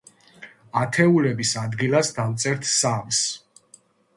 ათეულების ადგილას დავწერთ სამს.